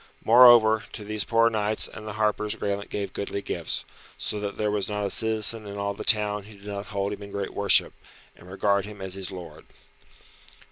Moreover, to these poor knights and the harpers Graelent gave goodly gifts, so that there was not a citizen in all the town who did not hold him in great worship, and regard him as his lord.